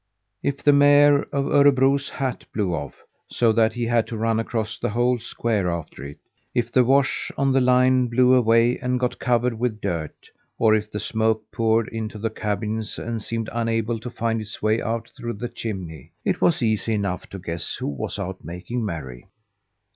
If the mayor of Örebro's hat blew off, so that he had to run across the whole square after it; if the wash on the line blew away and got covered with dirt, or if the smoke poured into the cabins and seemed unable to find its way out through the chimney, it was easy enough to guess who was out making merry!